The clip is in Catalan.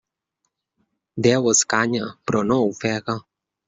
Déu escanya però no ofega.